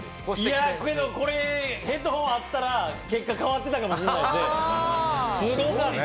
いや、これヘッドホンあったら、結果変わってたかもしれんね、すごかった。